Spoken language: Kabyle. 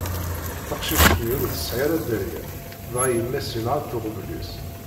Taqcict-nni ur tesɛi ara dderya, dɣa yemma-s yenɣa-tt uɣbel-is.